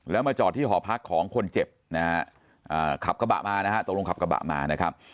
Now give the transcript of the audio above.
แล้วมาจอดที่หอพักของคนเจ็บนะฮะขับกระบะมานะฮะตกลงขับกระบะมานะครับ